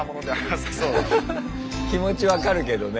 気持ち分かるけどね。